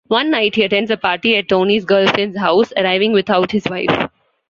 One night he attends a party at Toni's girlfriend's house, arriving without his wife.